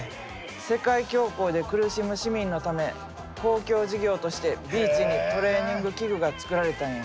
世界恐慌で苦しむ市民のため公共事業としてビーチにトレーニング器具が作られたんや。